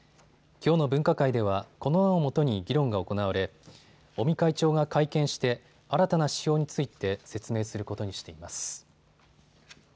きょうの分科会ではこの案をもとに議論が行われ尾身会長が会見して新たな指標について説明することにしています。